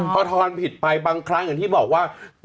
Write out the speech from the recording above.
พอทอนผิดไปบางครั้งอย่างที่บอกว่า